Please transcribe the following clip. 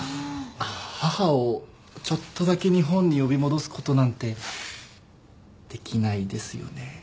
母をちょっとだけ日本に呼び戻すことなんてできないですよね？